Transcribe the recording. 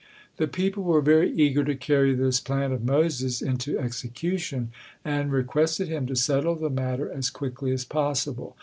The people were very eager to carry this plan of Moses into execution, and requested him to settle the matter as quickly as possible.